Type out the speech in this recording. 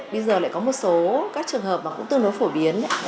bây giờ lại có một số các trường hợp mà cũng tương đối phổ biến